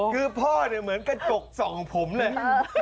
คือพ่อเนี่ยเหมือนกระจกส่องผมเลย